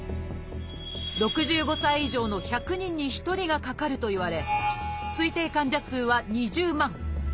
６５歳以上の１００人に１人がかかるといわれ推定患者数は２０万。